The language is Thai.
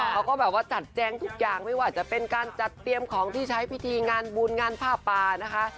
เขาก็แบบว่าจัดแจงทุกอย่างไม่ว่าจะเป็นการจัดเตรียมของที่ใช้พิธีงานบุญงานผ้าป่านะคะ